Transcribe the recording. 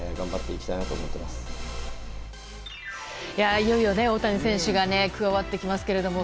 いよいよ、大谷選手が加わってきますけれども。